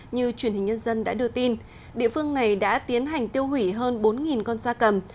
như truyền hình nhân dân đã đưa tin địa phương này đã tiến hành tiêu hủy hơn bốn con da cầm